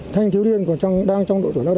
thanh thiếu niên còn đang trong độ tuổi